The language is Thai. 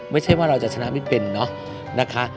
ไม่ใช่ว่าเราจะชนะไม่เป็นเนาะนะคะ